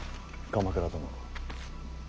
鎌倉殿。